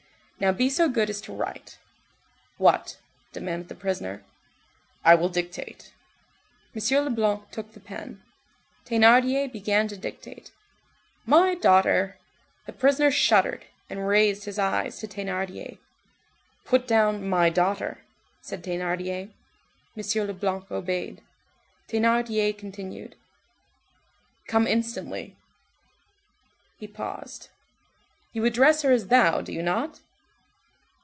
Now, be so good as to write." "What?" demanded the prisoner. "I will dictate." M. Leblanc took the pen. Thénardier began to dictate:— "My daughter—" The prisoner shuddered, and raised his eyes to Thénardier. "Put down 'My dear daughter'—" said Thénardier. M. Leblanc obeyed. Thénardier continued:— "Come instantly—" He paused:— "You address her as thou, do you not?"